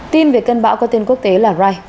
tin về cơn bão có tên quốc tế là rai